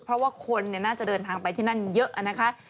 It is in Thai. เพราะก็คนน่าจะเดินทางไปที่นั่นเยอะ